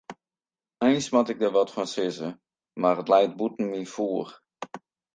Eins moat ik der wat fan sizze, mar it leit bûten myn foech.